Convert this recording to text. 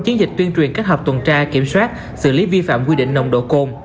chiến dịch tuyên truyền kết hợp tuần tra kiểm soát xử lý vi phạm quy định nồng độ cồn